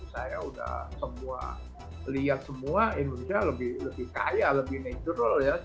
saya sudah semua lihat semua indonesia lebih kaya lebih natural ya